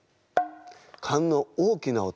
甲の大きな音「タ」。